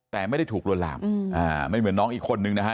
แต่ไม่ได้ถูกลวนลามไม่เหมือนน้องอีกคนนึงนะฮะ